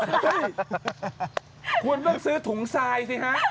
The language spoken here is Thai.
เฮ้ยควรเลิกซื้อถุงทรายสายสิฮะ